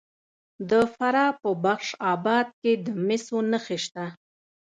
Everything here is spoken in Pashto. د فراه په بخش اباد کې د مسو نښې شته.